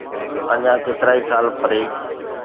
اڃا ڪيترائي سال پري